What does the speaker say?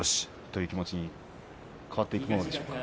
という気持ちに変わっていくものですか？